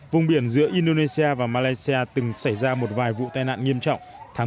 vùng biển giữa indonesia và malaysia từng xảy ra một vài vụ tai nạn nghiêm trọng